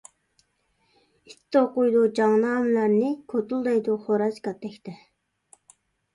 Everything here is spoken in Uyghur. ئىت توقۇيدۇ جەڭنامىلەرنى، كوتۇلدايدۇ خوراز كاتەكتە.